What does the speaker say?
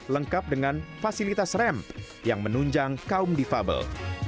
lengkap dengan fasilitas rem yang menunjang kaum difabel